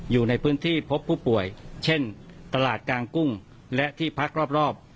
อยู่ในพื้นที่พบผู้ป่วยเช่นตลาดกลางกุ้งและที่พักรอบ